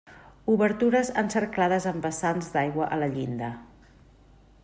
Obertures encerclades amb vessants d'aigua a la llinda.